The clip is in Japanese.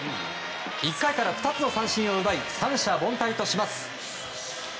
１回から２つの三振を奪い三者凡退とします。